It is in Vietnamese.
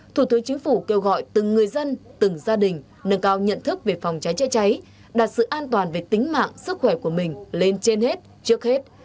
thủ tướng chính phủ kêu gọi từng người dân từng gia đình nâng cao nhận thức về phòng cháy chữa cháy đạt sự an toàn về tính mạng sức khỏe của mình lên trên hết trước hết